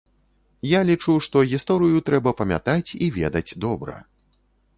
Я лічу, што гісторыю трэба памятаць і ведаць добра.